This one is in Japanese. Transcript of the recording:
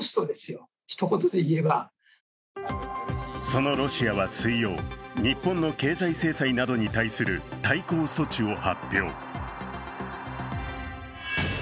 そのロシアは水曜、日本の経済制裁などに対する対抗措置を発表。